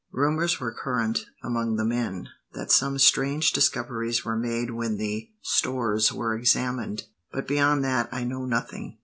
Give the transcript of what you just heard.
Rumours were current, among the men, that some strange discoveries were made when the stores were examined, but beyond that I know nothing.